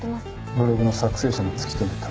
ブログの作成者も突き止めた。